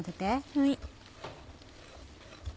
はい。